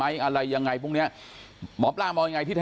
วันนี้คุยกันต่อวันหลังนะเรื่องซิมเนี้ยวันนี้คุยกันต่อวันหลังนะเรื่องซิมเนี้ย